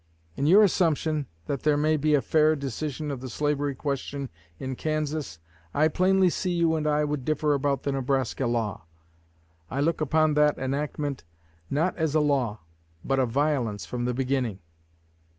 In your assumption that there may be a fair decision of the slavery question in Kansas, I plainly see you and I would differ about the Nebraska law. I look upon that enactment not as a law but a violence from the beginning.